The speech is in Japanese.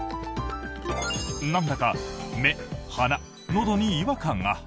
なんだか目、鼻、のどに違和感が。